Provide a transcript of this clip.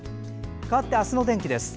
かわって明日の天気です。